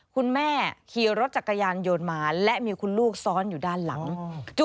คุณแม่ขี่รถจักรยานโยนมาและมีคุณลูกซ้อนอยู่ด้านหลัง